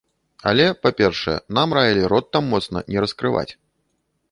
Але, па-першае, нам раілі рот там моцна не раскрываць.